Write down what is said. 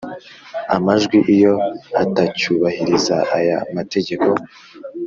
amajwi iyo atacyubahiriza aya mategeko